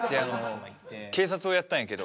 警察をやったんやけど。